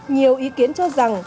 nhiều ý kiến cho rằng